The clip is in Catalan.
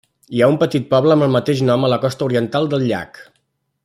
Hi ha un petit poble amb el mateix nom a la costa oriental del llac.